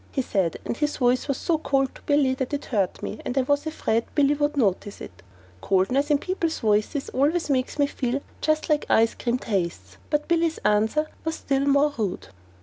he said, and his voice was so cold to Billy that it hurt me, and I was afraid Billy would notice it. Coldness in people's voices always makes me feel just like ice cream tastes. But Billy's answer was still more rude.